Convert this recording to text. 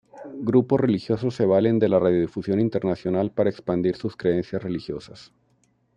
Grupos religiosos se valen de la radiodifusión internacional para expandir sus creencias religiosas.